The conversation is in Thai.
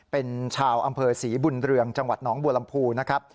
เป็นชาวอำเภอศรีบุญเรืองจังหวัดหนองบัวลำพูนะครับ